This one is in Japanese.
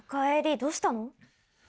どうしたの？